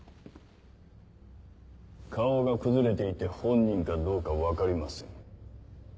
顔が崩れていて本人かどうか分かりません。